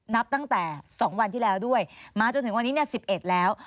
นับตั้งแต่๒วันที่แล้วด้วยมาจนถึงวันนี้เนี่ย๑๑แล้ว